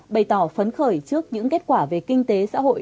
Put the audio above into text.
bày tỏ phấn khởi trước những kết quả về kinh tế xã hội